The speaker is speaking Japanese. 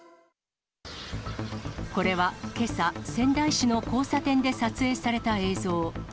これはけさ、仙台市の交差点で撮影された映像。